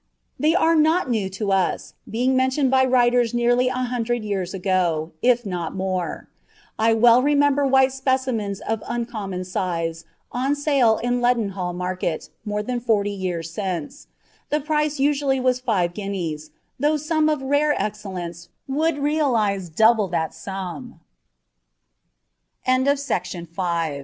They are not new to us, being mentioned by writers nearly a hundred years ago, if not more. I well remember white specimens of uncommon size on sale in Leadenhall Market, more than forty years since; the price usually was five guineas, though some of rare excellence would